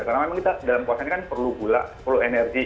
karena memang kita dalam puasa ini kan perlu gula perlu energi